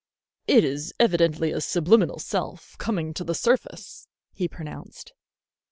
"It is evidently a subliminal self coming to the surface," he pronounced.